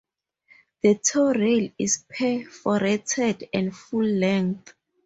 The toe rail is perforated and full length.